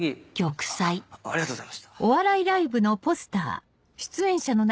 玉砕ありがとうございました。